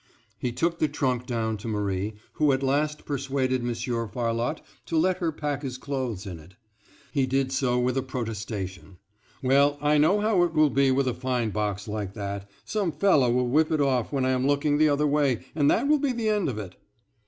He took the trunk down to Marie, who at last persuaded Monsieur Farlotte to let her pack his clothes in it. He did so with a protestation, "Well, I know how it will be with a fine box like that, some fellow will whip it off when I am looking the other way, and that will be the end of it."